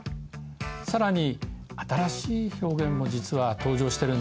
更に新しい表現も実は登場してるんですね。